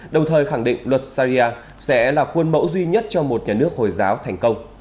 đồng thời khẳng định luật saria sẽ là khuôn mẫu duy nhất cho một nhà nước hồi giáo thành công